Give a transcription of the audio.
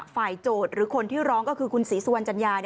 โจทย์หรือคนที่ร้องก็คือคุณศรีสุวรรณจัญญา